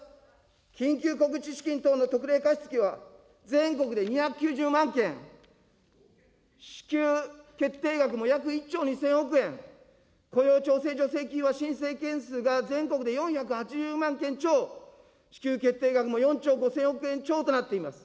緊急小口資金等の特例貸付は、全国で２９０万件、支給決定額も約１兆２０００億円、雇用調整助成金は、申請件数が全国で４８０万件超、支給決定額も４兆５０００億円超となっています。